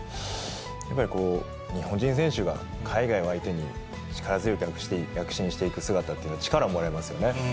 やっぱりこう、日本人選手が海外を相手に、力強く躍進していく姿っていうのは力もらいますよね。